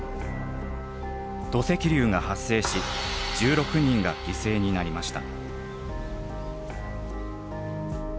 土石流が発生し１６人が犠牲になりました。